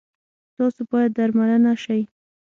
تاسو باید درملنه شی